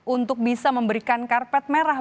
untuk bisa memberikan karpet merah